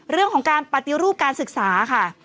เรื่องของการปฏิรูปการศึกษาค่ะ